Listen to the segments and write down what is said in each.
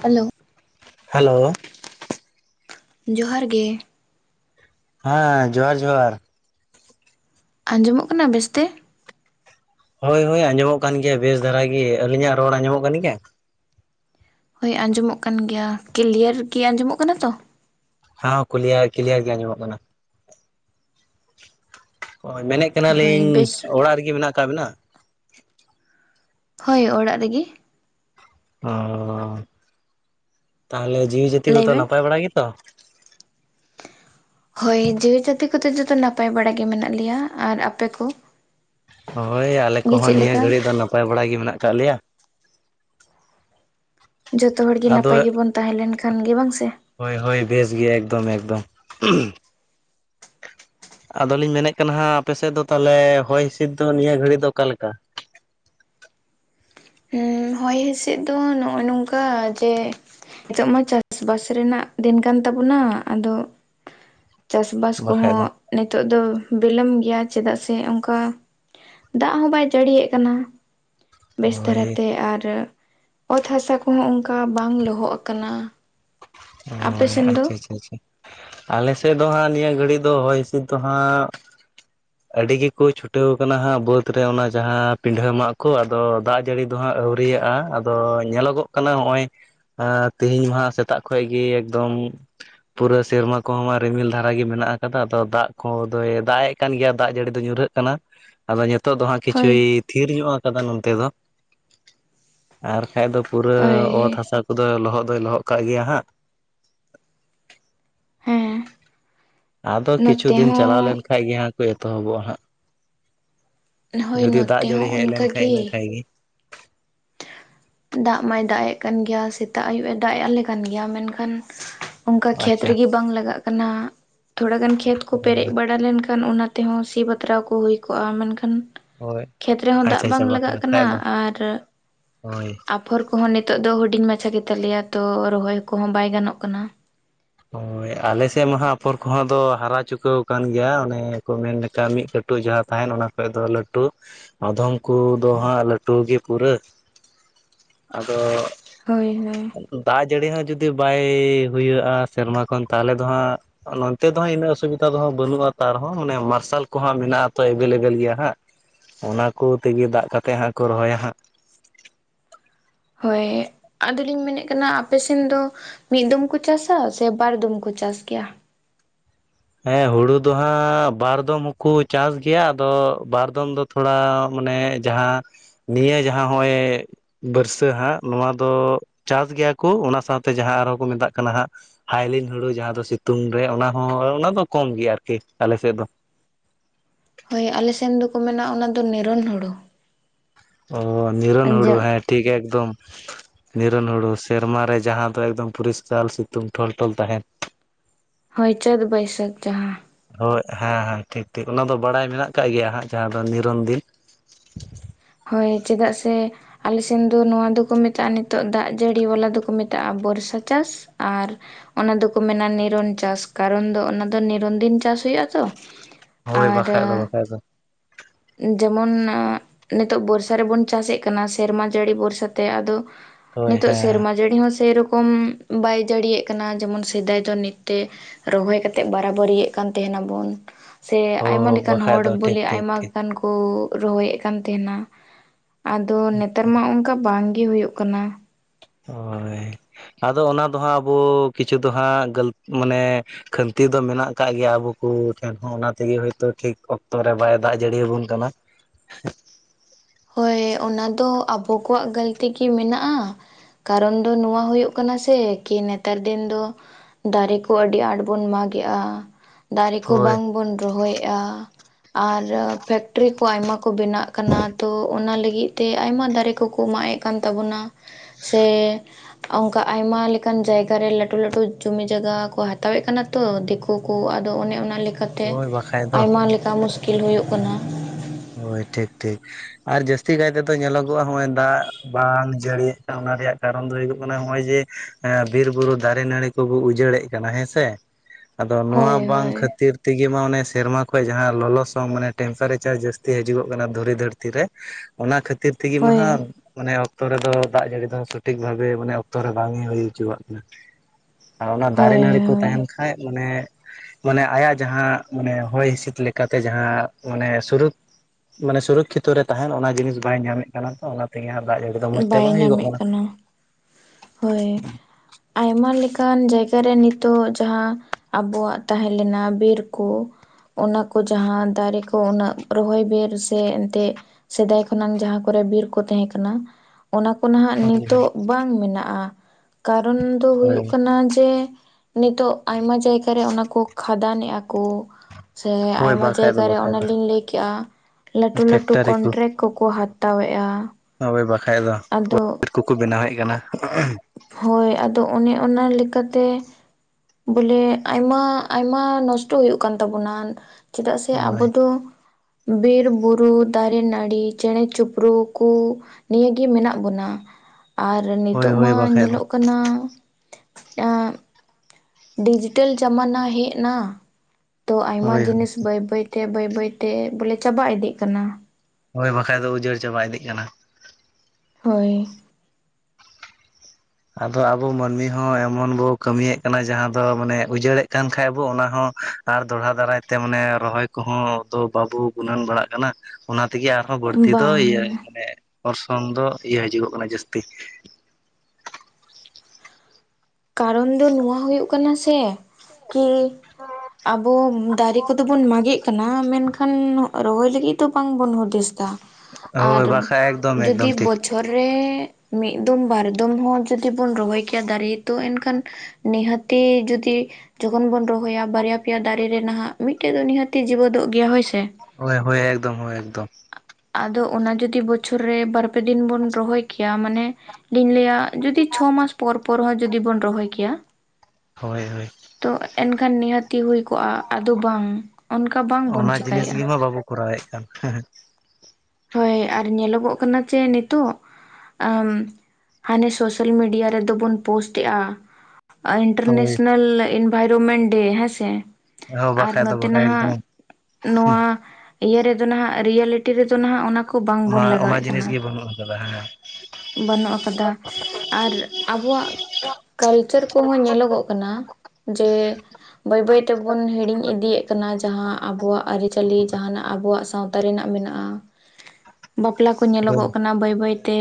Hello hello ᱡᱚᱦᱟᱨ ᱜᱮ, ᱦᱮᱸ ᱡᱚᱦᱟᱨ ᱡᱚᱦᱟᱨ, ᱟᱸᱡᱚᱢᱚᱜ ᱠᱟᱱᱟ ᱵᱮᱥ ᱛᱮ, ᱦᱳᱭ ᱦᱳᱭ ᱟᱸᱡᱚᱢᱚᱜ ᱠᱟᱱ ᱜᱮᱭᱟ ᱵᱮᱥ ᱫᱷᱟᱨᱟ ᱜᱮ ᱟᱹᱞᱤᱧᱟᱜ ᱨᱚᱲ ᱟᱸᱡᱚᱢᱚᱜ ᱠᱟᱱ ᱜᱮᱭᱟ, ᱦᱳᱭ ᱟᱸᱡᱚᱢᱚᱜ ᱠᱟᱱ ᱜᱮᱭᱟ ᱠᱞᱤᱭᱟᱨ ᱜᱮ ᱟᱸᱡᱚᱢᱚᱜ ᱠᱟᱱᱟ ᱛᱚ, ᱦᱮᱸ ᱠᱩᱞᱭᱟ ᱠᱞᱤᱭᱟᱨ ᱜᱮ ᱟᱸᱡᱚᱢᱚᱜ ᱠᱟᱱᱟ, ᱳᱭ ᱢᱮᱱᱮᱫ ᱦᱳᱭ ᱠᱟᱱᱟᱞᱤᱧ ᱵᱮᱥ ᱚᱲᱟᱜ ᱨᱮᱜᱮ ᱢᱮᱱᱟᱜ ᱟᱠᱟᱫ ᱵᱮᱱᱟ? ᱦᱳᱭ ᱚᱲᱟᱜ ᱨᱮᱜᱮ, ᱚ ᱛᱟᱦᱚᱞᱮ ᱡᱤᱣᱤ ᱡᱟᱹᱛᱤ ᱞᱟᱹᱭ ᱠᱚᱫᱚ ᱵᱮᱱ ᱱᱟᱯᱟᱭ ᱵᱟᱲᱟ ᱜᱮᱛᱚ, ᱦᱳᱭ ᱡᱤᱣᱤ ᱡᱟᱹᱛᱤ ᱠᱚᱫᱚ ᱡᱚᱛᱚ ᱱᱟᱯᱟᱭ ᱵᱟᱲᱟᱜ ᱜᱮ ᱢᱮᱱᱟᱜ ᱞᱮᱭᱟ ᱟᱨ ᱟᱯᱮ ᱠᱚ, ᱦᱳᱭ ᱟᱞᱮ ᱜᱮ ᱠᱚᱸᱦᱚᱸ ᱪᱮᱫ ᱱᱤᱭᱟᱹ ᱞᱮᱠᱟ? ᱜᱷᱟᱹᱲᱤᱡ ᱫᱚ ᱱᱟᱯᱟᱭ ᱵᱟᱲᱟ ᱜᱮ ᱢᱮᱱᱟᱜ ᱠᱟᱜ ᱞᱮᱭᱟ, ᱡᱚᱛᱚ ᱦᱚᱲ ᱜᱮ ᱱᱟᱯᱟᱭ ᱟᱫᱚ ᱜᱮᱵᱚᱱ ᱛᱟᱦᱮᱸ ᱞᱮᱱ ᱠᱷᱟᱱ ᱜᱮ ᱵᱟᱝ ᱥᱮ, ᱦᱳᱭ ᱦᱳᱭ ᱵᱮᱹᱥ ᱜᱮ ᱮᱠᱫᱚᱢ ᱮᱠᱫᱚᱢ, ᱟᱫᱚᱞᱤᱧ ᱢᱮᱱᱮᱫ ᱠᱟᱱᱟ ᱦᱟᱸᱜ ᱟᱯᱮ ᱥᱮᱫ ᱫᱚ ᱛᱟᱦᱞᱮ ᱦᱚᱭ ᱦᱤᱸᱥᱤᱫ ᱫᱚ ᱱᱤᱭᱟᱹ ᱜᱷᱟᱹᱲᱤᱡ ᱫᱚ ᱚᱠᱟ ᱞᱮᱠᱟ? ᱦᱩᱸ ᱦᱚᱭ ᱦᱤᱸᱥᱤᱫ ᱫᱚ ᱱᱚᱜᱼᱚᱭ ᱱᱚᱝᱠᱟ ᱡᱮ, ᱱᱤᱛᱚᱜ ᱢᱟ ᱪᱟᱥᱵᱟᱥ ᱨᱮᱱᱟᱜ ᱫᱤᱱ ᱠᱟᱱ ᱛᱟᱵᱩᱱᱟ, ᱟᱫᱚᱼᱼ ᱪᱟᱥᱵᱟᱥ ᱵᱟᱠᱷᱟᱡ ᱠᱚᱦᱚ ᱫᱚ ᱱᱤᱛᱚᱜ ᱫᱚ ᱵᱤᱞᱟᱹᱢ ᱜᱮᱭᱟ ᱪᱮᱫᱟᱜ ᱥᱮ ᱚᱝᱠᱟᱼᱼ ᱫᱟᱜ ᱦᱚᱸ ᱵᱟᱭ ᱡᱟᱹᱲᱤᱭᱮᱜ ᱠᱟᱱᱟ᱾ ᱵᱮᱥ ᱦᱳᱻᱭ᱾ ᱫᱷᱟᱨᱟᱛᱮ ᱟᱨ ᱚᱛ ᱦᱟᱥᱟ ᱠᱚᱦᱚ ᱚᱝᱠᱟ ᱵᱟᱝ ᱞᱚᱦᱚᱜ ᱠᱟᱱᱟ᱾ ᱦᱳᱭ ᱟᱪᱪᱷᱟ ᱟᱪᱪᱷᱟ ᱟᱪᱪᱷᱟ᱾ ᱟᱞᱮ ᱥᱮᱫ ᱫᱚ ᱦᱟᱸᱜ ᱱᱤᱭᱟᱹ ᱜᱷᱟᱹᱲᱤᱡ ᱫᱚ ᱦᱚᱭ ᱦᱤᱸᱥᱤᱫ ᱫᱚ ᱦᱟᱸᱜ ᱟᱹᱰᱤ ᱜᱮᱠᱩ ᱪᱷᱩᱴᱟᱹᱣ ᱟᱠᱟᱱᱟ ᱦᱟᱸᱜ ᱵᱟᱹᱫᱽ ᱨᱮ ᱚᱱᱟ ᱡᱟᱸᱦᱟᱸ ᱯᱤᱰᱷᱦᱟᱹ ᱢᱟᱜ ᱠᱚ, ᱟᱫᱚ ᱫᱟᱜᱼᱼ ᱡᱟᱹᱲᱤ ᱫᱚ ᱦᱟᱸᱜ ᱟᱹᱣᱨᱤᱭᱟᱜᱼᱟ ᱟᱫᱚ ᱧᱮᱞᱚᱜᱚᱜ ᱠᱟᱱᱟ ᱦᱚᱜᱼᱚᱭ ᱛᱮᱦᱤᱧ ᱢᱟ ᱦᱟᱸᱜ ᱥᱮᱛᱟᱜ ᱠᱷᱚᱡ ᱜᱤ ᱮᱠᱫᱚᱢ ᱯᱩᱨᱟᱹ ᱥᱮᱨᱢᱟ ᱠᱚ ᱦᱚᱸ ᱢᱟ ᱨᱤᱢᱤᱞ ᱫᱷᱟᱨᱟ ᱜᱮ ᱢᱮᱱᱟᱜ ᱟᱠᱟᱫᱟ ᱟᱫᱚ ᱫᱟᱜ ᱠᱚᱫᱚᱭ ᱫᱟᱜ ᱮᱜ ᱠᱟᱱ ᱜᱮᱭᱟ ᱫᱟᱜ ᱡᱟᱹᱲᱤ ᱫᱚ ᱧᱩᱨᱦᱟᱹᱜᱼᱼ ᱠᱟᱱᱟ᱾ ᱟᱫᱚ ᱧᱮᱛᱚᱜ ᱫᱚ ᱦᱟᱸᱜ ᱦᱳᱭ ᱠᱤᱪᱷᱩᱭ ᱛᱷᱤᱨ ᱧᱚᱜ ᱟᱠᱟᱫᱟ ᱱᱚᱱᱛᱮ ᱫᱚ, ᱟᱨᱼᱼ ᱦᱮᱸᱜ ᱫᱚ ᱯᱩᱨᱟᱹ ᱚᱛ ᱦᱳᱭ ᱦᱟᱥᱟ ᱠᱚᱫᱚ ᱞᱚᱦᱚᱜ ᱫᱚᱭ ᱞᱚᱦᱚᱜ ᱠᱟᱜ ᱜᱮᱭᱟ ᱦᱟᱸᱜ᱾ ᱦᱮᱸ᱾ ᱟᱫᱚ ᱠᱤᱪᱷᱩ ᱱᱚᱛᱮ ᱫᱤᱱ ᱪᱟᱞᱟᱣ ᱦᱚᱸ ᱞᱮᱱᱠᱷᱟᱪ ᱜᱮ ᱦᱟᱸᱜ ᱠᱚ ᱮᱛᱚᱦᱚᱵᱚᱜᱼᱟ ᱦᱟᱸᱜ᱾ ᱦᱳᱭ ᱡᱩᱫᱤ ᱫᱟᱜ ᱱᱚᱛᱮ ᱡᱟᱹᱲᱤ ᱦᱚᱸ ᱦᱮᱡ ᱞᱮᱱᱠᱷᱟᱡ ᱤᱱᱟᱹ ᱚᱱᱠᱟᱜᱮ ᱠᱷᱟᱡ ᱜᱤ᱾ ᱫᱟᱜ ᱢᱟᱭ ᱫᱟᱜ ᱮᱜ ᱠᱟᱱ ᱜᱮᱭᱟ ᱥᱮᱛᱟᱜ ᱟᱭᱩᱵ ᱮ ᱫᱟᱜ ᱮ ᱟᱞᱮ ᱠᱟᱱ ᱜᱮᱭᱟ, ᱢᱮᱱᱠᱷᱟᱱ ᱚᱱᱠᱟ ᱠᱷᱮᱛ ᱟᱪᱪᱷᱟ ᱨᱮᱜᱮ ᱵᱟᱝ ᱞᱟᱜᱟᱜ ᱠᱟᱱᱟ, ᱛᱷᱚᱲᱟ ᱜᱟᱱ ᱠᱷᱮᱛ ᱠᱚ ᱯᱮᱨᱮᱡ ᱵᱟᱲᱟ ᱞᱮᱱᱠᱷᱟᱱ ᱚᱱᱟᱼᱼ ᱛᱮᱦᱚᱸ ᱥᱤ ᱵᱟᱛᱨᱟᱣ ᱠᱚ ᱦᱩᱭ ᱠᱚᱜᱼᱟ, ᱢᱮᱱᱠᱷᱟᱱᱼᱼ ᱦᱳᱭ ᱠᱷᱮᱛ ᱨᱮᱦᱚᱸ ᱫᱟᱜ ᱟᱪᱪᱷᱟ ᱟᱪᱪᱷᱟ ᱵᱟᱝ ᱞᱟᱜᱟᱜ ᱠᱷᱟᱡ ᱠᱟᱱᱟ, ᱫᱚ ᱟᱨ ᱦᱳᱭ᱾ ᱟᱯᱷᱚᱨ ᱠᱚᱸᱦᱚᱸ ᱱᱤᱛᱚᱜ ᱫᱚ ᱦᱩᱰᱤᱧ ᱢᱟᱪᱷᱟ ᱜᱮᱛᱟᱞᱮᱭᱟ ᱛᱚ ᱨᱚᱦᱚᱭ ᱠᱚᱸᱦᱚᱸ ᱵᱟᱭ ᱜᱟᱱᱚᱜ ᱠᱟᱱᱟ᱾ ᱦᱳᱭ ᱟᱞᱮ ᱥᱮᱫ ᱢᱟᱦᱟᱸᱜ ᱟᱯᱷᱚᱨ ᱠᱚᱦᱚᱸ ᱫᱚ ᱦᱟᱨᱟ ᱪᱩᱠᱟᱹᱣ ᱠᱟᱱ ᱜᱮᱭᱟ ᱚᱱᱮ ᱠᱚ ᱢᱮᱱ ᱞᱮᱠᱟ ᱢᱤᱫ ᱠᱟᱹᱴᱼᱼ ᱴᱩ ᱡᱟᱸᱦᱟᱸ ᱛᱟᱦᱮᱱ ᱚᱱᱟ ᱠᱷᱚᱡ ᱫᱚ ᱞᱟᱹᱴᱩ ᱟᱫᱷᱚᱢ ᱠᱚᱫᱚ ᱦᱟᱸᱜ ᱞᱟᱹᱴᱩ ᱜᱮ ᱯᱩᱨᱟᱹ᱾ ᱟᱫᱚ ᱦᱳᱭ ᱦᱳᱭ᱾ ᱫᱟᱜ ᱡᱟᱹᱲᱤ ᱦᱚᱸ ᱡᱩᱫᱤ ᱵᱟᱭ ᱦᱩᱭᱩᱜᱼᱟ ᱥᱮᱨᱢᱟ ᱠᱷᱚᱱ ᱛᱟᱦᱞᱮ ᱫᱚ ᱦᱟᱸᱜ ᱱᱚᱱᱛᱮ ᱫᱚ ᱤᱱᱟᱹᱜ ᱚᱥᱩᱵᱤᱫᱟ ᱫᱚ ᱦᱟᱸᱜ ᱵᱟᱹᱱᱩᱜᱼᱟ ᱛᱟᱨᱦᱚᱸ ᱢᱟᱱᱮ ᱢᱟᱨᱥᱟᱞ ᱠᱚ ᱦᱟᱸᱜ ᱢᱮᱱᱟᱜ ᱟᱛᱚ ᱮᱵᱮᱞ ᱮᱵᱮᱞ ᱜᱮᱭᱟ ᱦᱟᱸᱜ᱾ ᱚᱱᱟ ᱠᱩ ᱛᱤᱜᱤ ᱫᱟᱜ ᱠᱟᱛᱮ ᱦᱟᱸᱜ ᱠᱚ ᱨᱚᱦᱚᱭᱟ ᱦᱟᱸᱜ᱾ ᱦᱚᱭ ᱟᱫᱚᱞᱤᱧ ᱢᱮᱱᱮᱜ ᱠᱟᱱᱟ ᱟᱯᱮ ᱥᱮᱱ ᱫᱚ ᱢᱤᱫ ᱫᱚᱢ ᱠᱩ ᱪᱟᱥᱟ ᱥᱮ ᱵᱟᱨ ᱫᱚᱢ ᱠᱩ ᱪᱟᱥ ᱜᱮᱭᱟ? ᱦᱮᱸ ᱦᱩᱲᱩ ᱫᱚ ᱦᱟᱸᱜ ᱵᱟᱨ ᱫᱚᱢ ᱦᱚᱸᱠᱩ ᱪᱟᱥ ᱜᱮᱭᱟ, ᱟᱫᱚ ᱵᱟᱨ ᱫᱚᱢ ᱫᱚᱼᱼ ᱛᱷᱚᱲᱟ ᱢᱟᱱᱮ ᱡᱟᱸᱦᱟᱸ ᱱᱤᱭᱟᱹ ᱡᱟᱸᱦᱟᱸ ᱦᱚᱸᱜᱼᱚᱭᱼᱼ ᱵᱟᱹᱨᱥᱟᱹ ᱦᱟᱸᱜ ᱱᱚᱣᱟ ᱫᱚ ᱪᱟᱥ ᱜᱮᱭᱟ ᱠᱩ ᱚᱱᱟ ᱥᱟᱶᱛᱮ ᱡᱟᱸᱦᱟᱸ ᱟᱨᱦᱚᱸ ᱠᱚ ᱢᱮᱛᱟᱜ ᱠᱟᱱᱟ ᱦᱟᱸᱜᱼᱼ ᱦᱟᱭᱞᱤᱱ ᱦᱩᱲᱩ ᱡᱟᱸᱦᱟᱸ ᱫᱚ ᱥᱤᱛᱩᱝ ᱨᱮ ᱚᱱᱟᱦᱚᱸ ᱚᱱᱟ ᱫᱚ ᱠᱚᱢ ᱜᱮᱭᱟ ᱟᱨᱠᱤ ᱟᱞᱮ ᱥᱮᱫ ᱫᱚ᱾ ᱦᱳᱭ ᱟᱞᱮ ᱥᱮᱱ ᱫᱚᱠᱚ ᱢᱮᱱᱟ ᱚᱱᱟ ᱫᱚ ᱱᱤᱨᱚᱱ ᱦᱩᱲᱩ᱾ ᱚ ᱱᱤᱨᱚᱱ ᱦᱩᱲᱩ ᱟᱸᱡᱚᱢ ᱦᱮᱸ ᱴᱷᱤᱠ ᱮᱠᱫᱚᱢ᱾ ᱱᱤᱨᱚᱱ ᱦᱩᱲᱩ ᱥᱮᱨᱢᱟᱨᱮ ᱡᱟᱦᱟᱸ ᱫᱚ ᱮᱠᱫᱚᱢ ᱯᱚᱨᱤᱥᱠᱟᱨ ᱥᱤᱛᱩᱝ ᱴᱷᱚᱞ ᱴᱷᱚᱞ ᱛᱟᱦᱮᱱ᱾ ᱦᱳᱭ ᱪᱟᱹᱛ ᱵᱟᱹᱭᱥᱟᱹᱠᱷ ᱡᱟᱦᱟᱸ᱾ ᱦᱳᱭ ᱦᱮᱸ ᱦᱮᱸ ᱴᱷᱤᱠ ᱴᱷᱤᱠ ᱚᱱᱟ ᱫᱚ ᱵᱟᱲᱟᱭ ᱢᱮᱱᱟᱜ ᱠᱟᱜ ᱜᱮᱭᱟ ᱦᱟᱸᱜ ᱡᱟᱦᱟᱸ ᱫᱚ ᱱᱤᱨᱚᱱᱫᱤᱱ᱾ ᱦᱳᱭ, ᱪᱮᱫᱟᱜ ᱥᱮ ᱟᱞᱮ ᱥᱮᱱ ᱫᱚ ᱱᱚᱣᱟ ᱫᱚᱠᱚ ᱢᱮᱛᱟᱜᱼᱟ, ᱱᱤᱛᱚᱜ ᱫᱟᱜ ᱡᱟᱹᱲᱤ ᱵᱟᱞᱟ ᱫᱚᱠᱚ ᱢᱮᱛᱟᱜᱼᱟ, ᱵᱚᱨᱥᱟ ᱪᱟᱥᱼᱼ ᱟᱨ ᱚᱱᱟ ᱫᱚᱠᱚ ᱢᱮᱱᱟ ᱱᱤᱨᱚᱱ ᱪᱟᱥ ᱠᱟᱨᱚᱱ ᱫᱚ ᱚᱱᱟ ᱫᱚ ᱱᱤᱨᱚᱱ ᱫᱤᱱ ᱪᱟᱥ ᱦᱩᱭᱩᱜ-ᱟ ᱛᱚ᱾ ᱦᱳᱭ ᱟᱨ ᱵᱟᱠᱷᱟᱡ ᱫᱚ ᱵᱟᱠᱷᱟᱡ ᱫᱚ ᱡᱮᱢᱚᱱᱼᱼ ᱱᱮᱛᱳᱜ ᱵᱚᱨᱥᱟ ᱨᱮᱵᱚᱱ ᱪᱟᱥᱮᱜ ᱠᱟᱱᱟ, ᱥᱮᱨᱢᱟ ᱡᱟᱹᱲᱤ ᱵᱚᱨᱥᱟ ᱛᱮ, ᱟᱫᱚᱼᱼ ᱦᱳᱭ ᱱᱤᱛᱚᱜ ᱦᱮᱸ ᱦᱮᱸ ᱥᱮᱨᱢᱟ ᱡᱟᱹᱲᱤ ᱦᱚᱸ, ᱥᱮᱨᱚᱠᱚᱢ ᱵᱟᱭ ᱡᱟᱹᱲᱤᱭᱮᱜ ᱠᱟᱱᱟ, ᱡᱮᱢᱚᱱ ᱥᱮᱫᱟᱭ ᱫᱚ ᱱᱤᱛ ᱛᱮ ᱨᱚᱦᱚᱭ ᱠᱟᱛᱮᱜ ᱵᱟᱨᱟ ᱵᱟᱹᱨᱤᱭᱮᱜ, ᱠᱟᱱ ᱛᱮᱦᱮᱱ ᱟᱵᱚᱱ᱾ ᱥᱮ ᱚ ᱟᱭᱢᱟ ᱞᱮᱠᱟᱱ ᱵᱟᱠᱷᱟᱡ ᱦᱚᱲ, ᱫᱚ ᱴᱷᱤᱠ ᱵᱚᱞᱮ ᱴᱷᱤᱠ ᱟᱭᱢᱟ ᱴᱷᱤᱠ ᱜᱟᱱ ᱠᱚ ᱨᱚᱦᱚᱭᱮᱜ, ᱠᱟᱱ ᱛᱟᱦᱮᱱᱟ᱾ ᱟᱫᱚ ᱱᱮᱛᱟᱨ ᱢᱟ, ᱚᱱᱠᱟ ᱵᱟᱝᱜᱮ ᱦᱳᱭᱳᱜ ᱠᱟᱱᱟ᱾ ᱦᱳᱭ, ᱟᱫᱚ ᱚᱱᱟ ᱫᱚ ᱦᱟᱸᱜ, ᱟᱵᱚ ᱠᱤᱪᱷᱩ ᱫᱚ ᱦᱟᱸᱜ ᱜᱟᱹᱞ ᱢᱟᱱᱮ ᱠᱷᱟᱱᱛᱤ ᱫᱚ ᱢᱮᱱᱟᱜ ᱟᱠᱟᱜ ᱜᱮᱭᱟ, ᱟᱵᱚ ᱠᱚ ᱴᱷᱮᱱ ᱦᱚᱸ, ᱚᱱᱟ ᱛᱮᱜᱮ ᱦᱳᱭᱛᱚ ᱴᱷᱤᱠ ᱚᱠᱛᱚ ᱨᱮ, ᱵᱟᱭ ᱫᱟᱜ ᱡᱟᱹᱲᱤ ᱭᱟᱵᱚᱱ ᱠᱟᱱᱟ᱾ [unintelligible] ᱦᱳᱭ ᱚᱱᱟ ᱫᱚ, ᱟᱵᱚ ᱠᱚᱣᱟᱜ ᱜᱟᱹᱞᱛᱤ ᱠᱤ ᱢᱮᱱᱟᱜᱼᱟ? ᱠᱟᱨᱚᱱ ᱫᱚ ᱱᱚᱶᱟ ᱦᱳᱭᱳᱜ ᱠᱟᱱᱟ ᱥᱮ, ᱠᱤ ᱱᱮᱛᱟᱨ ᱫᱤᱱ ᱫᱚ, ᱫᱟᱨᱮ ᱠᱚ ᱟᱹᱰᱤ ᱟᱸᱴ ᱵᱚᱱ ᱢᱟᱜ ᱮᱼᱟ, ᱫᱟᱨᱮ ᱠᱚ ᱦᱳᱭ ᱵᱟᱝᱵᱚᱱ ᱨᱚᱦᱚᱭᱮᱜᱼᱟ, ᱟᱨ ᱯᱷᱮᱠᱴᱨᱤ ᱠᱚ ᱟᱭᱢᱟ ᱠᱚ, ᱵᱮᱱᱟᱜ ᱠᱟᱱᱟ᱾ ᱛᱚ ᱚᱱᱟ ᱞᱟᱹᱜᱤᱫ ᱛᱮ, ᱟᱭᱢᱟ ᱫᱟᱨᱮ ᱠᱚᱠᱚ ᱢᱟᱜᱼᱮᱜ ᱠᱟᱱ ᱛᱟᱵᱚᱱᱟ, ᱥᱮ ᱚᱝᱠᱟ ᱟᱭᱢᱟ ᱞᱮᱠᱟᱱ, ᱡᱟᱭᱜᱟ ᱨᱮ ᱞᱟᱹᱴᱩ ᱞᱟᱹᱴᱩ ᱡᱚᱢᱤ ᱡᱟᱜᱟ ᱠᱚ, ᱦᱟᱛᱟᱣᱮᱫ ᱠᱟᱱᱟ᱾ ᱛᱚ ᱫᱤᱠᱩ ᱠᱚ, ᱟᱫᱚ ᱚᱱᱮ ᱚᱱᱟ ᱞᱮᱠᱟᱛᱮ, ᱦᱳᱭ ᱵᱟᱠᱷᱟᱡ ᱫᱚ ᱟᱭᱢᱟ ᱞᱮᱠᱟ ᱢᱩᱥᱠᱤᱞ ᱦᱳᱭᱳᱜ ᱠᱟᱱᱟ᱾ ᱦᱳᱭ, ᱴᱷᱤᱠ, ᱴᱷᱤᱠ᱾ ᱟᱨ ᱡᱟᱹᱥᱛᱤ ᱠᱟᱭ ᱛᱮᱫᱚ ᱧᱮᱞᱚᱜᱚᱜᱼᱟ, ᱦᱚᱸᱜᱼᱚᱭ ᱫᱟᱜ ᱵᱟᱝ ᱡᱟᱹᱲᱤᱭᱮᱜ ᱚᱱᱟ, ᱨᱮᱭᱟᱜ ᱠᱟᱨᱚᱱ ᱫᱚ, ᱦᱳᱭᱳᱜᱼᱚ ᱠᱟᱱᱟ, ᱦᱚᱸᱜᱼᱚᱭ ᱡᱮ ᱮᱸ ᱵᱤᱨ ᱵᱩᱨᱩ ᱫᱟᱨᱮ ᱱᱟᱹᱲᱤ ᱠᱚᱵᱚ, ᱩᱡᱟᱹᱲᱮᱜ ᱠᱟᱱᱟ, ᱦᱮᱸᱥᱮ? ᱟᱫᱚ ᱱᱚᱣᱟ ᱦᱳᱭ ᱵᱟᱝ ᱦᱳᱭ ᱠᱷᱟᱹᱛᱤᱨ ᱛᱮᱜᱮ ᱢᱟ, ᱚᱱᱮ ᱥᱮᱨᱢᱟ ᱠᱷᱚᱡ ᱡᱟᱦᱟᱸ, ᱞᱚᱞᱚᱥᱚᱝ ᱢᱟᱱᱮ, ᱴᱮᱢᱯᱟᱨᱮᱪᱟᱨ ᱡᱟᱹᱥᱛᱤ ᱛᱮ ᱦᱤᱡᱩᱜᱚᱜ ᱠᱟᱱᱟ, ᱫᱷᱩᱲᱤ ᱫᱷᱟᱹᱨᱛᱤ ᱨᱮ, ᱚᱱᱟ ᱠᱷᱟᱹᱛᱤᱨ ᱛᱮᱜᱮ ᱢᱟ ᱦᱳᱭ ᱦᱟᱸᱜ? ᱢᱟᱱᱮ ᱚᱠᱛᱚ ᱨᱮᱫᱚ, ᱫᱟᱜ ᱡᱟᱹᱲᱤ ᱫᱚ, ᱥᱚᱴᱷᱤᱠ ᱵᱷᱟᱵᱮ, ᱢᱟᱱᱮ ᱚᱠᱛᱚ ᱨᱮ ᱵᱟᱝ ᱦᱩᱭ ᱦᱚᱪᱚᱣᱟᱜ ᱠᱟᱱᱟ᱾ ᱟᱨ ᱚᱱᱟ ᱫᱟᱨᱮ, ᱦᱳᱭ ᱱᱟᱹᱲᱤ ᱠᱚ ᱦᱳᱭ ᱛᱟᱦᱮᱱ ᱠᱷᱟᱡ, ᱢᱟᱱᱮ ᱢᱟᱱᱮ ᱟᱭᱟᱜ ᱡᱟᱦᱟᱸ, ᱢᱟᱱᱮ ᱦᱚᱭ ᱦᱤᱸᱥᱤᱫ ᱞᱮᱠᱟᱛᱮ, ᱡᱟᱦᱟᱸ ᱢᱟᱱᱮ ᱥᱩᱨᱩᱠ ᱢᱟᱱᱮ ᱥᱩᱨᱚᱠᱷᱤᱛᱚ ᱨᱮ ᱛᱟᱦᱮᱱ, ᱚᱱᱟ ᱡᱤᱱᱤᱥ ᱵᱟᱭ ᱧᱟᱢᱮᱫ ᱠᱟᱱᱟ, ᱛᱚ ᱚᱱᱟ ᱛᱮᱜᱮ ᱫᱟᱜ ᱡᱟᱹᱲᱤ ᱫᱚ, ᱢᱚᱡᱽ ᱛᱮ ᱵᱟᱭ ᱵᱟᱝ ᱦᱩᱭᱩᱜᱚᱜ ᱧᱟᱢᱮᱫ ᱠᱟᱱᱟ᱾ ᱦᱳᱭ, ᱟᱭᱢᱟ ᱞᱮᱠᱟᱱ ᱡᱟᱭᱜᱟ ᱨᱮ, ᱱᱤᱛᱚᱜ ᱡᱟᱦᱟᱸ ᱟᱵᱚᱣᱟᱜ ᱛᱟᱦᱮᱸ ᱞᱮᱱᱟ ᱵᱤᱨ ᱠᱚ᱾ ᱚᱱᱟ ᱠᱚ ᱡᱟᱦᱟᱸ ᱫᱟᱨᱮ ᱠᱚ, ᱩᱱᱟᱹᱜ ᱨᱚᱦᱚᱭ ᱵᱮᱨ ᱥᱮ, ᱮᱱᱛᱮ ᱥᱮᱫᱟᱭ ᱠᱷᱚᱱᱟᱝ ᱡᱟᱦᱟᱸ ᱠᱚᱨᱮ, ᱵᱤᱨ ᱠᱚ ᱛᱮᱦᱮᱸ ᱠᱟᱱᱟ, ᱚᱱᱟ ᱠᱚ ᱱᱟᱦᱟᱜ ᱦᱳᱭ ᱦᱳᱭ ᱱᱤᱛᱚᱜ ᱵᱟᱝ ᱢᱮᱱᱟᱜᱼᱟ᱾ ᱠᱟᱨᱚᱱ ᱫᱚ ᱦᱳᱭ ᱦᱳᱭᱩᱜ ᱠᱟᱱᱟ ᱡᱮ, ᱱᱤᱛᱚᱜ ᱟᱭᱢᱟ ᱡᱟᱭᱜᱟ ᱨᱮ, ᱚᱱᱟ ᱠᱚ ᱠᱷᱟᱫᱟᱱᱮᱜᱼᱟ ᱠᱚ᱾ ᱥᱮ ᱦᱳᱭ ᱟᱭᱢᱟ ᱵᱟᱠᱷᱟᱡ ᱫᱚ ᱡᱟᱭᱜᱟ ᱨᱮ, ᱵᱟᱠᱷᱟᱡ ᱫᱚ ᱚᱱᱟᱞᱤᱧ ᱞᱟᱹᱭᱠᱮᱜᱼᱟ, ᱞᱟᱹᱴᱩ-ᱞᱟᱹᱴᱩ ᱯᱷᱮᱠᱴᱟᱨᱤ ᱠᱚ ᱠᱚᱱᱴᱨᱮᱠ ᱠᱚᱠᱚ ᱦᱟᱛᱟᱣᱮᱜᱼᱟ᱾ ᱦᱳᱭ ᱵᱟᱠᱷᱟᱡ ᱫᱚ᱾ ᱟᱫᱚ ᱠᱚᱠᱚ ᱵᱮᱱᱟᱣᱼᱮᱜ ᱠᱟᱱᱟ᱾ ᱦᱳᱭ, ᱟᱫᱚ ᱚᱱᱮ ᱚᱱᱟ ᱞᱮᱠᱟᱛᱮ ᱵᱚᱞᱮ ᱟᱭᱢᱟ-ᱟᱭᱢᱟ, ᱱᱚᱥᱴᱚ ᱦᱳᱭᱳᱜ ᱠᱟᱱ ᱛᱟᱵᱳᱱᱟ᱾ ᱪᱮᱫᱟᱜ ᱥᱮ ᱟᱵᱚ ᱦᱳᱭ ᱫᱚ, ᱵᱤᱨ ᱵᱩᱨᱩ ᱫᱟᱨᱮ ᱱᱟᱹᱲᱤ, ᱪᱮᱬᱮ ᱪᱤᱯᱨᱩ ᱠᱩ, ᱱᱤᱭᱟᱹᱜᱮ ᱢᱮᱱᱟᱜ ᱵᱚᱱᱟ, ᱟᱨ ᱦᱳᱭ ᱱᱤᱛᱚᱜ ᱢᱟ, ᱦᱳᱭ ᱵᱟᱠᱷᱟᱡ ᱫᱚ ᱚᱱᱟ, ᱟᱸ ᱰᱤᱡᱤᱴᱮᱞ ᱡᱟᱢᱟᱱᱟ ᱦᱮᱡ ᱱᱟ, ᱛᱚ ᱟᱭᱢᱟ ᱦᱳᱭ ᱦᱳᱭ ᱡᱤᱱᱤᱥ ᱵᱟᱹᱭ, ᱵᱟᱹᱭ ᱛᱮ ᱵᱟᱹᱭ ᱵᱟᱹᱭᱛᱮ, ᱵᱚᱞᱮ ᱪᱟᱵᱟ ᱤᱫᱤᱜ ᱠᱟᱱᱟ᱾ ᱦᱳᱭ ᱵᱟᱠᱷᱟ ᱫᱚ, ᱩᱡᱟᱹᱲ ᱪᱟᱵᱟ ᱤᱫᱤᱜ ᱠᱟᱱᱟ᱾ ᱦᱳᱭ᱾ ᱟᱫᱚ ᱟᱵᱚ ᱢᱟᱹᱱᱢᱤ ᱦᱚᱸ ᱮᱢᱚᱱ ᱵᱚ ᱠᱟᱹᱢᱤᱭᱮᱜ ᱠᱟᱱᱟ ᱡᱟᱦᱟᱸ ᱫᱚ ᱢᱟᱱᱮ ᱩᱡᱟᱹᱲᱮᱫ ᱠᱟᱱ ᱠᱷᱟᱡ ᱵᱚ ᱚᱱᱟᱦᱚᱼᱼ ᱟᱨ ᱫᱚᱲᱦᱟ ᱫᱟᱨᱟᱭ ᱛᱮ ᱢᱟᱱᱮ ᱨᱚᱦᱚᱭ ᱠᱚᱦᱚᱸ ᱫᱚ ᱵᱟᱵᱚ ᱜᱩᱱᱟᱹᱱ ᱵᱟᱲᱟᱜ ᱠᱟᱱᱟ ᱚᱱᱟ ᱛᱮᱜᱮ ᱟᱨᱼᱼ ᱵᱟᱹᱲᱛᱤ ᱫᱚ ᱵᱟᱝ ᱤᱭᱟᱹ ᱢᱟᱱᱮ ᱚᱨᱥᱚᱝ ᱫᱚ ᱤᱭᱟᱹ ᱦᱤᱡᱩᱜᱚᱜ ᱠᱟᱱᱟ ᱡᱟᱹᱥᱛᱤ᱾ ᱠᱟᱨᱚᱱ ᱫᱚ ᱱᱚᱣᱟ ᱦᱩᱭᱩᱜ ᱠᱟᱱᱟ ᱥᱮᱼᱼ ᱠᱤ ᱟᱵᱚ ᱫᱟᱨᱮ ᱠᱚᱫᱚ ᱵᱚᱱ ᱢᱟᱜᱮᱜ ᱠᱟᱱᱟ ᱢᱮᱱᱠᱷᱟᱱᱼᱼ ᱨᱚᱦᱚᱭ ᱞᱟᱹᱜᱤᱫ ᱫᱚ ᱵᱟᱝᱵᱚᱱ ᱦᱩᱫᱤᱥ ᱫᱟ ᱟᱨ ᱦᱳᱭ ᱵᱟᱠᱷᱟᱡ ᱮᱠᱫᱚᱢ ᱡᱩᱫᱤ ᱮᱠᱫᱚᱢ ᱴᱷᱤᱠ ᱵᱚᱪᱷᱼᱼ ᱚᱨ ᱨᱮ ᱢᱤᱫ ᱫᱩᱢ ᱵᱟᱨ ᱫᱩᱢ ᱦᱚᱸ ᱡᱩᱫᱤ ᱵᱚᱱ ᱨᱚᱦᱚᱭ ᱠᱮᱭᱟ ᱫᱟᱨᱮ ᱛᱚ ᱮᱱᱠᱷᱟᱱᱼᱼ ᱱᱤᱦᱟᱹᱛᱤ ᱡᱩᱫᱤᱼᱼ ᱡᱚᱠᱷᱚᱱ ᱵᱚᱱ ᱨᱚᱦᱚᱭᱟ ᱵᱟᱨᱭᱟ ᱯᱮᱭᱟ ᱫᱟᱨᱮ ᱨᱮ ᱱᱟᱦᱟᱜ ᱢᱤᱫᱴᱮᱡ ᱫᱚ ᱱᱤᱦᱟᱹᱛᱤ ᱡᱤᱵᱟᱹᱫᱚᱜ ᱜᱮᱭᱟ ᱦᱳᱭ ᱥᱮᱼᱼ ᱦᱳᱭ ᱦᱳᱭ ᱮᱠᱫᱚᱢ ᱦᱳᱭ ᱮᱠᱫᱚᱢ᱾ ᱟᱫᱚ ᱚᱱᱟ ᱡᱩᱫᱤ ᱵᱚᱪᱷᱚᱨ ᱨᱮ ᱵᱟᱨᱯᱮ ᱫᱤᱱ ᱵᱩᱱ ᱨᱚᱦᱚᱭ ᱠᱮᱭᱟ ᱢᱟᱱᱮ ᱞᱤᱧ ᱞᱟᱹᱭᱟᱼᱼ ᱡᱩᱫᱤ ᱪᱷᱚ ᱢᱟᱥ ᱯᱚᱨ ᱯᱚᱨ ᱦᱚᱸ ᱡᱩᱫᱤ ᱵᱚᱱ ᱨᱚᱦᱚᱭ ᱠᱮᱭᱟ᱾ ᱦᱳᱭ ᱦᱳᱭ᱾ ᱛᱚ ᱮᱱᱠᱷᱟᱱ ᱱᱤᱦᱟᱹᱛᱤ ᱦᱩᱭ ᱠᱚᱜᱼᱟ ᱟᱫᱚ ᱵᱟᱝ ᱚᱱᱠᱟ ᱵᱟᱝᱵᱚᱱ ᱪᱮᱠᱟᱭᱮᱜᱼᱟ᱾ ᱠᱚᱨᱟᱣᱮᱜ ᱠᱟᱱ᱾ ᱦᱳᱭ ᱟᱨ ᱧᱮᱞᱚᱜᱚᱜ ᱠᱟᱱᱟ ᱪᱮ ᱱᱤᱛᱚᱜᱼᱼ ᱟᱢ ᱦᱟᱱᱮ ᱥᱳᱥᱟᱞ ᱢᱤᱰᱤᱭᱟ ᱨᱮᱫᱚ ᱵᱚᱱ ᱯᱳᱥᱴ ᱮᱜᱼᱟ᱾ ᱦᱳᱭ ᱤᱱᱴᱟᱨᱱᱮᱥᱱᱟᱞ ᱤᱱᱵᱟᱭᱨᱚᱢᱮᱱᱴ ᱰᱮ ᱦᱮᱸ ᱥᱮ? ᱟᱨ ᱵᱟᱠᱷᱟᱡ ᱫᱚ ᱱᱚᱛᱮ ᱵᱟᱠᱷᱟᱡ ᱱᱟᱦᱟᱜᱼᱼ ᱮᱠᱫᱚᱢ ᱱᱚᱣᱟ ᱤᱭᱟᱹ ᱨᱮᱫᱚ ᱱᱟᱦᱟᱜ ᱨᱤᱭᱮᱞᱤᱴᱤ ᱨᱮᱫᱚ ᱱᱟᱦᱟᱜ ᱚᱱᱟᱠᱚ ᱵᱟᱝᱵᱚᱱ ᱞᱟᱜᱟᱣᱮᱜ ᱠᱟᱱᱟ᱾ ᱠᱟᱫᱟ ᱦᱮᱸ᱾ ᱵᱟᱹᱱᱩᱜ ᱟᱠᱟᱫᱟ ᱟᱨ ᱟᱵᱚᱣᱟᱜᱼᱼ ᱠᱟᱞᱪᱟᱨ ᱠᱚᱦᱚᱸ ᱧᱮᱞᱚᱜᱚᱜ ᱠᱟᱱᱟ ᱡᱮᱼᱼ ᱵᱟᱹᱭ ᱵᱟᱹᱭ ᱛᱮᱵᱚᱱ ᱦᱤᱲᱤᱧ ᱤᱫᱤᱭᱮᱜ ᱠᱟᱱᱟ ᱡᱟᱦᱟᱸ ᱟᱵᱩᱣᱟᱜ ᱟᱹᱨᱤᱪᱟᱹᱞᱤ ᱡᱟᱦᱟᱸᱱᱟᱜ ᱟᱵᱚᱣᱟᱜ ᱥᱟᱶᱼᱼ ᱛᱟ ᱨᱮᱱᱟᱜ ᱢᱮᱱᱟᱜᱼᱟ᱾ [inaudible] ᱵᱟᱯᱞᱟ ᱠᱚ ᱦᱳᱭ ᱧᱮᱞᱚᱜᱚᱜ ᱠᱟᱱᱟ ᱵᱟᱹᱭ ᱵᱟᱹᱭᱛᱮ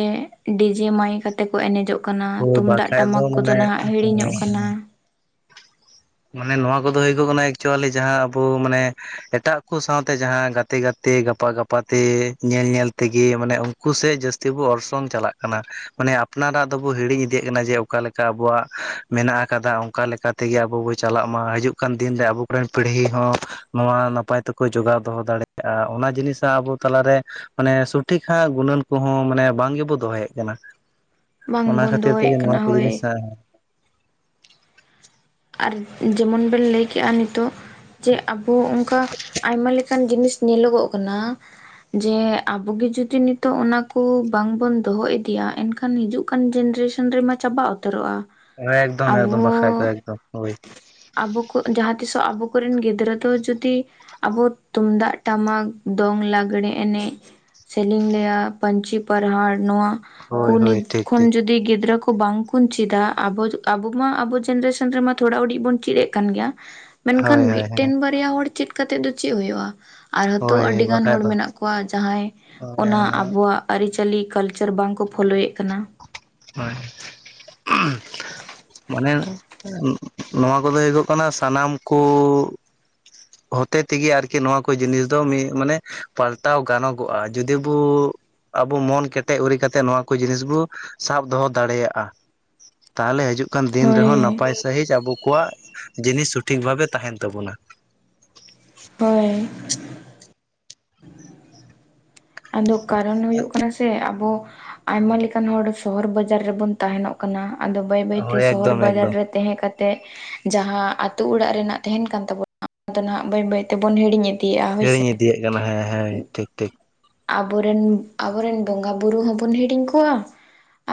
ᱰᱤᱡᱮ ᱢᱟᱭᱤᱠ ᱟᱛᱮ ᱠᱚ ᱮᱱᱮᱡᱚᱜᱼᱼ ᱠᱟᱱᱟ ᱦᱳᱭ ᱛᱩᱢᱫᱟᱜ ᱵᱟᱠᱷᱟᱡ ᱫᱚ ᱴᱟᱢᱟᱠ ᱠᱚᱫᱚ ᱢᱟᱱᱮ ᱱᱟᱦᱟᱜ ᱦᱤᱲᱤᱧᱚᱜ ᱠᱟᱱᱟ᱾ ᱢᱟᱱᱮ ᱱᱚᱣᱟ ᱠᱚᱫᱚ ᱦᱩᱭᱩᱜ ᱠᱟᱱᱟ ᱮᱠᱪᱩᱭᱮᱞᱤ ᱡᱟᱦᱟᱸ ᱟᱵᱚ ᱢᱟᱱᱮ ᱮᱴᱟᱜ ᱠᱚ ᱥᱟᱶᱛᱮ ᱡᱟᱦᱟᱸ ᱜᱟᱛᱮ ᱜᱟᱛᱮ ᱜᱟᱯᱟ ᱜᱟᱯᱟᱼᱼ ᱟᱯᱟᱛᱮ ᱧᱮᱞ ᱧᱮᱞ ᱛᱮᱜᱤ ᱢᱟᱱᱮ ᱩᱱᱠᱩ ᱥᱮᱡ ᱡᱟᱹᱥᱛᱤ ᱵᱚ ᱚᱨᱥᱚᱝ ᱪᱟᱞᱟᱜ ᱠᱟᱱᱟ, ᱢᱟᱱᱮ ᱟᱯᱼᱼ ᱟᱯᱱᱟᱨᱟᱜ ᱫᱚᱵᱚ ᱦᱤᱲᱤᱧ ᱤᱫᱤᱭᱮᱜ ᱠᱟᱱᱟ ᱡᱮ ᱚᱠᱟ ᱞᱮᱠᱟ ᱟᱵᱚᱣᱟᱜ ᱢᱮᱱᱟᱜ ᱟᱠᱟᱫᱟ, ᱚᱱᱠᱟ ᱛᱮᱜᱮ ᱟᱵᱚ ᱵᱚᱼᱼ ᱪᱟᱞᱟᱜ ᱢᱟ ᱦᱤᱡᱩᱜ ᱠᱟᱱ ᱫᱤᱱᱨᱮ ᱟᱵᱚ ᱠᱚᱨᱮᱱ ᱯᱤᱲᱦᱤ ᱦᱚᱸ ᱱᱚᱣᱟ ᱱᱟᱯᱟᱭ ᱛᱮᱠᱚ ᱡᱚᱜᱟᱣ ᱫᱚᱦᱚ ᱫᱟᱲᱮᱼᱼ ᱠᱟᱜᱼᱟ, ᱚᱱᱟ ᱡᱤᱱᱤᱥᱟ ᱟᱵᱚ ᱛᱟᱞᱟᱨᱮᱼᱼ ᱢᱟᱱᱮ ᱥᱩᱴᱷᱤᱠ ᱟᱸᱜ ᱜᱩᱱᱟᱹᱱ ᱠᱚᱦᱚᱸ ᱢᱟᱱᱮ ᱵᱟᱝ ᱜᱮᱵᱚ ᱫᱚᱦᱚᱭᱮᱜ ᱠᱟᱱᱟ᱾ ᱚᱱᱟ ᱵᱟᱝᱵᱚᱱ ᱠᱷᱟᱹᱛᱤᱨ ᱛᱮᱜᱮ ᱫᱚᱦᱚᱭᱮᱫ ᱱᱚᱣᱟ ᱠᱟᱱᱟ ᱠᱚ ᱦᱳᱭ ᱡᱤᱱᱤᱥ ᱦᱟᱸᱜ᱾ ᱟᱨ ᱡᱮᱢᱚᱱ ᱵᱮᱱ ᱞᱟᱹᱭᱠᱮᱜᱼᱟ ᱱᱤᱛᱚᱜ᱾ ᱡᱮ ᱟᱵᱚ ᱚᱱᱠᱟ ᱟᱭᱢᱟ ᱞᱮᱠᱟᱱ ᱡᱤᱱᱤᱥ ᱧᱮᱞᱚᱜᱚᱜ ᱠᱟᱱᱟ᱾ ᱡᱮ ᱟᱵᱚ ᱜᱮ ᱡᱩᱫᱤ ᱱᱤᱛᱚᱜ ᱚᱱᱟ ᱠᱩ ᱵᱟᱝᱵᱚᱱ ᱫᱚᱦᱚ ᱤᱫᱤᱭᱟ ᱮᱱᱠᱷᱟᱱᱼᱼ ᱠᱷᱟᱱ ᱦᱤᱡᱩᱜ ᱠᱟᱱ ᱡᱮᱱᱟᱨᱮᱥᱚᱱ ᱨᱮᱢᱟ ᱪᱟᱵᱟ ᱩᱛᱟᱹᱨᱚᱜᱼᱟ᱾ ᱮᱠᱫᱚᱢ ᱮᱠᱫᱚᱢ ᱟᱵᱚ ᱵᱟᱠᱷᱨᱟ ᱫᱚ ᱮᱠᱫᱚᱢ ᱦᱳᱭ᱾ ᱟᱵᱚ ᱠᱚ ᱡᱟᱦᱟᱸ ᱛᱤᱥᱚᱜ ᱟᱵᱚ ᱠᱚᱨᱮᱱ ᱜᱤᱫᱽᱨᱟᱹ ᱫᱚ ᱡᱩᱫᱤᱼᱼ ᱟᱵᱚ ᱛᱩᱢᱫᱟᱜ ᱴᱟᱢᱟᱠ ᱫᱚᱝ ᱞᱟᱜᱽᱲᱮ ᱮᱱᱮᱡ᱾ ᱥᱮᱞᱤᱧ ᱞᱟᱹᱭᱟ ᱯᱟᱹᱧᱪᱤ ᱯᱟᱨᱦᱟᱲ ᱱᱚᱣᱟ ᱦᱳᱭ ᱠᱩ ᱦᱳᱭ ᱱᱤᱛ ᱴᱷᱤᱠ ᱴᱷᱤᱠ ᱠᱷᱚᱱ ᱡᱩᱫᱤ ᱜᱤᱫᱽᱨᱟᱹ ᱠᱚ ᱵᱟᱝ ᱠᱚᱼᱼ ᱵᱚᱱ ᱪᱤᱫᱟ, ᱟᱵᱚ ᱟᱵᱚ ᱢᱟ ᱟᱵᱚ ᱡᱮᱱᱟᱨᱮᱥᱚᱱ ᱨᱮᱢᱟ ᱛᱷᱚᱲᱟ ᱩᱰᱤᱡ ᱵᱚᱱ ᱪᱮᱫ ᱮᱱ ᱠᱟᱱ ᱜᱮᱭᱟ᱾ ᱦᱳᱭ ᱢᱮᱱᱠᱷᱟᱱ ᱦᱳᱭ ᱢᱤᱫᱴᱮᱱ ᱵᱟᱨᱭᱟ ᱦᱚᱲ ᱪᱮᱫ ᱠᱟᱛᱮᱫ ᱫᱚ ᱪᱮᱫ ᱦᱩᱭᱩᱜᱼᱟ᱾ ᱟᱨᱦᱚᱛᱚ ᱦᱳᱭ ᱟᱹᱰᱤ ᱜᱟᱱ ᱵᱟᱠᱷᱟᱡ ᱦᱚᱲ ᱫᱚ ᱢᱮᱱᱟᱜ ᱠᱚᱣᱟ ᱡᱟᱦᱟᱸᱭ ᱦᱳᱭ ᱚᱱᱟ ᱢᱟᱱᱮ ᱟᱵᱚᱣᱟᱜ ᱟᱹᱨᱤᱪᱟᱹᱞᱤ ᱠᱟᱞᱪᱟᱨ ᱵᱟᱝ ᱠᱚ ᱯᱷᱳᱞᱳᱭᱮᱜ ᱠᱟᱱᱟ ᱦᱳᱭ ᱱᱮ ᱱᱚᱣᱟ ᱠᱚᱫᱚ ᱦᱩᱭᱩᱜ ᱠᱟᱱᱟ ᱥᱟᱱᱟᱢ ᱠᱩ ᱦᱚᱛᱮᱛᱮᱜᱮ ᱟᱨᱠᱤ ᱱᱚᱣᱟ ᱠᱚ ᱡᱤᱱᱤᱥ ᱫᱚ ᱢᱤᱫ ᱢᱟᱱᱮ ᱯᱟᱞᱴᱟᱣ ᱜᱟᱱᱚᱜᱚᱜᱼᱟ, ᱡᱩᱫᱤ ᱵᱚ ᱟᱵᱚ ᱢᱚᱱ ᱠᱮᱴᱮᱡ ᱩᱨᱤᱡ ᱠᱟᱛᱮᱫ ᱱᱚᱣᱟ ᱠᱚ ᱡᱤᱱᱤᱥ ᱵᱩ ᱥᱟᱵ ᱫᱚᱦᱚ ᱫᱟᱲᱮᱭᱟᱜᱼᱟ ᱛᱟᱦᱚᱞᱮ ᱦᱤᱡᱩᱜ ᱠᱟᱱ ᱫᱤᱱ ᱨᱮᱦᱚᱸ ᱦᱳᱭ ᱱᱟᱯᱟᱭ ᱥᱟᱺᱦᱤᱡ ᱟᱵᱚ ᱠᱚᱣᱟᱜ ᱡᱤᱱᱤᱥ ᱥᱚᱴᱷᱤᱠ ᱵᱷᱟᱵᱮ ᱛᱟᱦᱮᱱ ᱛᱟᱹᱵᱩᱱᱟ ᱦᱳᱭ ᱟᱫᱚ ᱠᱟᱨᱚᱱ ᱦᱩᱭᱩᱜ ᱠᱟᱱᱟ ᱥᱮ ᱟᱵᱚ ᱟᱭᱢᱟ ᱞᱮᱠᱟᱱ ᱦᱚᱲ ᱥᱚᱦᱚᱨ ᱵᱟᱡᱟᱨ ᱨᱮᱵᱚᱱ ᱛᱟᱦᱮᱱᱚᱜ ᱠᱟᱱᱟ, ᱟᱫᱚ ᱵᱟᱹᱭ ᱵᱟᱹᱭᱛᱮ ᱦᱳᱭ ᱥᱚᱦᱚᱨ ᱮᱠᱫᱚᱢ ᱵᱟᱡᱟᱨ ᱮᱠᱫᱚᱢ ᱨᱮ ᱛᱟᱦᱮᱸ ᱠᱟᱛᱮ ᱡᱟᱦᱟᱸ ᱟᱛᱳ ᱚᱲᱟᱜ ᱨᱮᱱᱟᱜ ᱛᱟᱦᱮᱱ ᱠᱟᱱ ᱛᱟᱵᱚᱱᱟ ᱟᱫᱚ ᱱᱟᱦᱟᱜ ᱵᱟᱹᱭ ᱵᱟᱹᱭ ᱛᱮᱵᱚᱱ ᱦᱤᱲᱤᱧ ᱮᱫ ᱦᱤᱲᱤᱧ ᱤᱫᱤᱭᱮᱫ ᱠᱟᱱᱟ ᱦᱮᱸ ᱦᱮᱸ ᱴᱷᱤᱠ ᱴᱷᱤᱠ ᱟᱵᱚᱨᱮᱱ, ᱟᱵᱚᱨᱮᱱ ᱵᱚᱸᱜᱟ ᱵᱩᱨᱩ ᱦᱚᱸᱵᱚᱱ ᱦᱤᱲᱤᱧ ᱠᱚᱣᱟ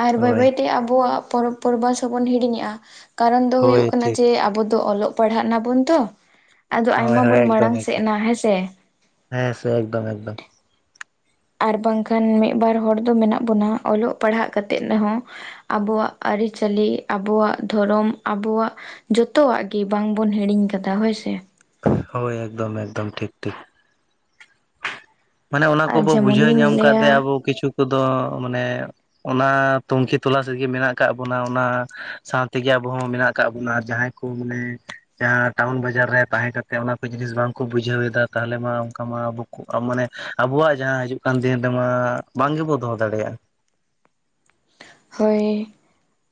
ᱟᱨ ᱵᱟᱹᱭ ᱦᱳᱭ ᱵᱟᱹᱭᱛᱮ ᱟᱵᱚᱣᱟᱜ ᱯᱚᱨᱚᱵᱽ ᱯᱚᱨᱵᱟᱥ ᱦᱚᱸᱵᱚᱱ ᱦᱤᱲᱤᱧᱮᱜᱼᱟ ᱠᱟᱨᱚᱱ ᱫᱚ ᱦᱳᱭ ᱦᱩᱭᱩᱜ ᱠᱟᱱᱟ ᱴᱷᱤᱠ ᱡᱮ ᱟᱵᱚ ᱫᱚ ᱚᱞᱚᱜ ᱯᱟᱲᱦᱟᱜ ᱱᱟᱵᱚᱱ ᱛᱚ ᱟᱫᱚ ᱦᱳᱭ ᱟᱭᱢᱟ ᱦᱳᱭ ᱵᱚᱱ ᱮᱠᱫᱚᱢ ᱢᱟᱲᱟᱝ ᱥᱮᱫ ᱮᱠᱫᱚᱢ ᱱᱟ ᱦᱮᱸ ᱥᱮᱮ? ᱦᱮᱸ ᱥᱮ ᱮᱠᱫᱚᱢ ᱮᱠᱫᱚᱢ ᱟᱨ ᱵᱟᱝᱠᱷᱟᱱ ᱢᱤᱫ ᱵᱟᱨ ᱦᱚᱲ ᱫᱚ ᱢᱮᱱᱟᱜ ᱵᱚᱱᱟ ᱚᱞᱚᱜ ᱯᱟᱲᱦᱟᱜ ᱠᱟᱛᱮᱜ ᱱᱮᱦᱚᱸ ᱟᱵᱚᱣᱟᱜ ᱟᱹᱨᱤᱪᱟᱹᱞᱤ, ᱟᱵᱚᱣᱟᱜ ᱫᱷᱚᱨᱚᱢ, ᱟᱵᱚᱣᱟᱜ ᱡᱚᱛᱚᱣᱟᱜ ᱜᱮ ᱵᱟᱝᱵᱚᱱ ᱦᱤᱲᱤᱧ ᱠᱟᱫᱟ ᱦᱳᱭᱥᱮ ᱦᱳᱭ ᱮᱠᱫᱚᱢ ᱮᱠᱫᱚᱢ ᱴᱷᱤᱠ ᱴᱷᱤᱠ ᱢᱟᱱᱮ ᱚᱱᱟ ᱟᱨ ᱠᱚᱵᱚ ᱡᱮᱢᱚᱱ ᱵᱩᱡᱷᱟᱹᱣ ᱞᱤᱧ ᱧᱟᱢ ᱠᱟᱫ ᱞᱟᱹᱭᱟ ᱛᱮ ᱟᱵᱚ ᱠᱤᱪᱷᱩ ᱠᱚᱫᱚ ᱢᱟᱱᱮ ᱚᱱᱟ ᱛᱩᱱᱠᱷᱤ ᱛᱚᱞᱟᱥ ᱨᱮᱜᱮ ᱢᱮᱱᱟᱜ ᱠᱟᱫ ᱵᱚᱱᱟ ᱚᱱᱟ ᱥᱟᱶᱛᱮᱜᱮ ᱟᱵᱚ ᱦᱚᱸ ᱢᱮᱱᱟᱜ ᱟᱠᱟᱫ ᱵᱚᱱᱟ ᱟᱨ ᱡᱟᱦᱟᱸᱭ ᱠᱚ ᱠᱩ ᱢᱟᱱᱮ ᱡᱟᱦᱟᱸ ᱴᱟᱣᱩᱱ ᱵᱟᱡᱟᱨ ᱨᱮ ᱛᱟᱦᱮᱸ ᱠᱟᱛᱮ ᱚᱱᱟ ᱠᱚ ᱡᱤᱱᱤᱥ ᱵᱟᱝᱠᱚ ᱵᱩᱡᱷᱟᱹᱣ ᱮᱫᱟ ᱛᱟᱦᱚᱞᱮ ᱢᱟ ᱚᱱᱠᱟ ᱢᱟ ᱟᱵᱚ ᱠᱩ ᱟ ᱢᱟᱱᱮ ᱟᱵᱚᱣᱟᱜ ᱡᱟᱦᱟᱸ ᱦᱤᱡᱩᱜ ᱠᱟᱱ ᱫᱤᱱ ᱨᱮᱢᱟ ᱵᱟᱝ ᱜᱮᱵᱚ ᱫᱚᱦᱚ ᱫᱟᱲᱮᱭᱟᱜ ᱦᱳᱭ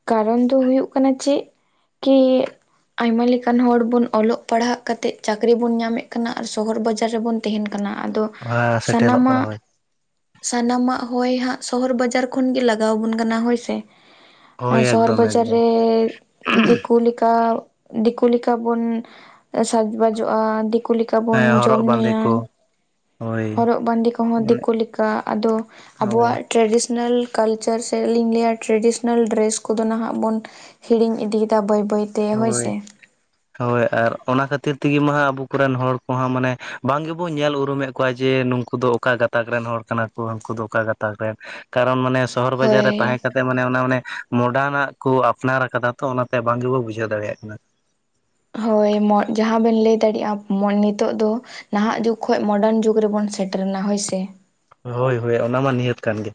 ᱠᱟᱨᱚᱱ ᱫᱚ ᱦᱩᱭᱩᱜ ᱠᱟᱱᱟ ᱪᱮᱫ ᱠᱤ ᱟᱭᱢᱟ ᱞᱮᱠᱟᱱ ᱦᱚᱲ ᱵᱚᱱ ᱚᱞᱚᱜ ᱯᱟᱲᱦᱟᱜ ᱠᱟᱛᱮ ᱪᱟᱠᱨᱤ ᱵᱚᱱ ᱧᱟᱢᱮᱫ ᱠᱟᱱᱟ ᱟᱨ ᱥᱚᱦᱚᱨ ᱵᱟᱡᱟᱨ ᱨᱮᱵᱚᱱ ᱛᱟᱦᱮᱱ ᱠᱟᱱᱟ ᱟᱫᱚ ᱚᱱᱟ ᱥᱮᱴᱮᱨᱚᱜ ᱠᱟᱱᱟ ᱥᱟᱱᱟᱢᱟᱜ ᱦᱳᱭ ᱥᱟᱱᱟᱢᱟᱜ ᱦᱚᱭ ᱦᱟᱸᱜ ᱥᱚᱦᱚᱨ ᱵᱟᱡᱟᱨ ᱠᱷᱚᱱᱜᱮ ᱞᱟᱜᱟᱣ ᱟᱵᱚᱱ ᱠᱟᱱᱟ ᱦᱳᱭᱥᱮ ᱦᱳᱭ ᱮᱸ ᱥᱚᱦᱚᱨ ᱮᱠᱫᱚᱢ ᱵᱟᱡᱟᱨ ᱮᱠᱫᱚᱢ ᱨᱮ ᱫᱤᱠᱩ ᱞᱮᱠᱟ ᱫᱤᱠᱩ ᱞᱮᱠᱟᱵᱚᱱ ᱥᱟᱡᱽᱵᱟᱡᱚᱜᱼᱟ ᱫᱤᱠᱩ ᱞᱮ ᱠᱟ ᱦᱮᱸ ᱵᱚᱱ ᱡᱚᱢ ᱦᱚᱨᱚᱜ ᱵᱟᱸᱫᱮ ᱧᱩᱭᱟ ᱠᱚ ᱦᱳᱭ ᱦᱚᱨᱚᱜ ᱵᱟᱸᱫᱮ ᱠᱚᱦᱚᱸ ᱢᱟᱱᱮ ᱫᱤᱠᱩ ᱞᱮᱠᱟ ᱟᱫᱚ ᱦᱳᱭ ᱟᱵᱚᱣᱟᱜ ᱴᱨᱟᱰᱤᱥᱚᱱᱟᱞ ᱠᱟᱞᱪᱟᱨ ᱪᱮᱫ ᱞᱤᱧ ᱞᱟᱹᱭᱟ ᱴᱨᱮᱰᱤᱥᱚᱱᱟᱞ ᱰᱨᱮᱥ ᱠᱚᱫᱚ ᱱᱟᱦᱟᱜ ᱵᱚᱱ ᱦᱤᱲᱤᱧ ᱤᱫᱤᱭᱮᱫᱟ ᱵᱟᱹᱭ ᱵᱟᱹᱭ ᱛᱮ ᱦᱳᱭ ᱥᱮ ᱦᱳᱭ ᱟᱨ ᱚᱱᱟ ᱠᱷᱟᱹᱛᱤᱨ ᱛᱮᱜᱮ ᱢᱟ ᱦᱟᱸᱜ ᱟᱵᱚ ᱠᱚᱨᱮᱱ ᱦᱚᱲ ᱠᱚᱦᱚᱸ ᱢᱟᱱᱮ ᱵᱟᱝ ᱜᱮᱵᱚ ᱧᱮᱞ ᱩᱨᱩᱢᱮᱫ ᱠᱚᱣᱟ ᱡᱮ ᱱᱩᱝ ᱩᱱᱠᱩ ᱫᱚ ᱚᱠᱟ ᱜᱟᱛᱟᱠ ᱨᱮᱱ ᱦᱚᱲ ᱠᱟᱱᱟ ᱠᱚ ᱦᱟᱹᱱᱠᱩ ᱫᱚ ᱚᱠᱟ ᱜᱟᱛᱟᱠ ᱨᱮᱱ ᱠᱟᱨᱚᱱ ᱢᱟᱱᱮ ᱥᱚᱦᱚᱨ ᱵᱟᱡᱟᱨ ᱨᱮ ᱛᱟᱦᱮᱸ ᱦᱳᱭ ᱠᱟᱛᱮ ᱢᱟᱱᱮ ᱚᱱᱟ ᱟᱱᱮ ᱢᱚᱰᱟᱨᱱᱟᱜ ᱠᱚ ᱟᱯᱱᱟᱨ ᱠᱟᱫᱟ ᱛᱚ ᱚᱱᱟᱛᱮ ᱵᱟᱝ ᱜᱮᱵᱚ ᱵᱩᱡ ᱵᱩᱡᱷᱟᱹᱣ ᱫᱟᱲᱭᱟᱜ ᱠᱟᱱᱟ ᱦᱳᱭ [unintelligible] ᱡᱟᱦᱟᱸ ᱵᱮᱱ ᱞᱟᱹᱭ ᱫᱟᱲᱮᱭᱟᱜᱼᱟ [unintelligible] ᱱᱤᱛᱚᱜ ᱫᱚ ᱱᱟᱦᱟᱜ ᱡᱩᱜᱽ ᱠᱷᱚᱡ ᱢᱚᱰᱟᱱ ᱡᱩᱜᱽ ᱨᱮᱵᱚᱱ ᱥᱮᱴᱮᱱᱟ ᱦᱳᱭ ᱥᱮᱮ ᱦᱳᱭ ᱦᱳᱭ ᱚᱱᱟ ᱢᱟ ᱱᱤᱦᱟᱹᱛ ᱠᱟᱱ ᱜᱮ